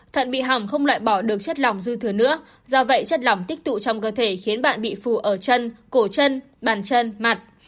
thận bị hỏng không loại bỏ được chất lỏng dư thừa nữa do vậy chất lỏng tích tụ trong cơ thể khiến bạn bị phù ở chân cổ chân bàn chân mặt